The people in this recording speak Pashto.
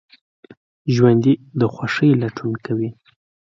ژوندي د خوښۍ لټون کوي